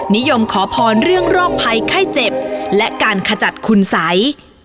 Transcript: นิยมขอพรเรื่องโรคภัยไข้เจ็บและการขจัดคุณสัย